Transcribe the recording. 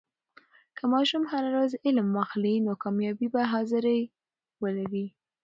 که ماشوم هر ورځ علم واخلي، نو کامیابي به حاضري ولري.